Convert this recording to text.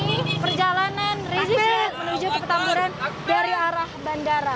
ini perjalanan rizik menuju ke petamburan dari arah bandara